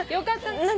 何？